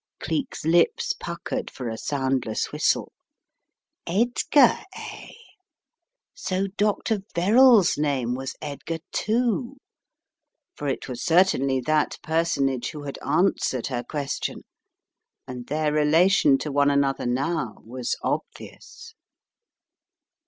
Cleek's lips puckered for a soundless whistle. "Edgar, eh?" So Dr. VerralTs name was Edgar, too, for it was certainly that personage who had answered her question and their relation to one another now was obvious.